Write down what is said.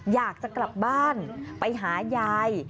อยากจะกลับบ้านไปหายาย